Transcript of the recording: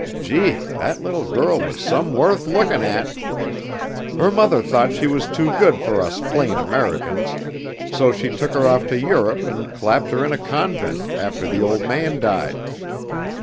Gee! That little girl was some worth lookin' at! Her mother thought she was too good for us plain Americans, so she took her off to Europe and clapped her in a convent, after the old man died.